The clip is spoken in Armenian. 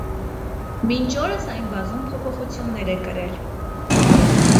Մինչ օրս այն բազում փոփոխություններ է կրել։